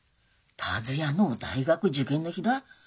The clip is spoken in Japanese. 達也の大学受験の日だ。